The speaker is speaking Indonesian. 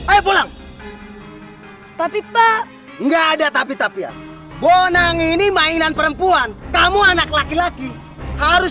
ayo pulang tapi pak enggak ada tapi tapi bonang ini mainan perempuan kamu anak laki laki harus